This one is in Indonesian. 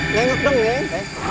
nengok dong neng